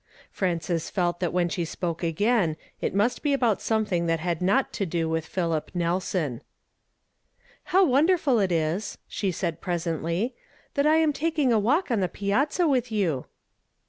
Frances felt that when she spoke again it must he about something that had not to do Avitii JMiilip Nelson. " How wonderful it is," she said presently, "that I am taking a walk on the piazza with you